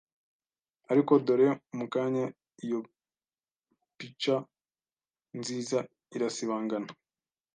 Ariko dore mu kanya iyo pica nziza irasibangana